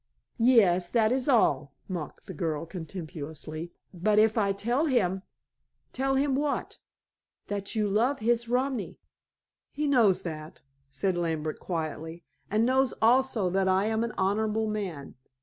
"Yes; that is all," mocked the girl contemptuously. "But if I tell him " "Tell him what?" "That you love his romi!" "He knows that," said Lambert quietly. "And knows also that I am an honorable man.